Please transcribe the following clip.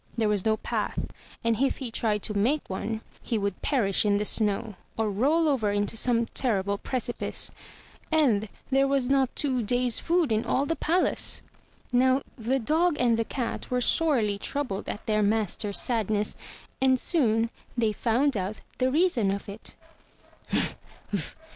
There was no path; and if he tried to make one, he would perish in the snow, or roll over into some terrible precipice. And there was not two days' food in all the palace! Now the dog and the cat were sorely troubled at their master's sadness, and soon they found out the reason of it.